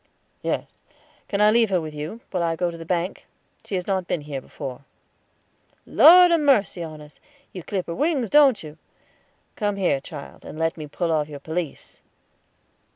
"Yes; can I leave her with you, while I go to the bank? She has not been here before." "Lord ha' mercy on us; you clip her wings, don't you? Come here, child, and let me pull off your pelisse."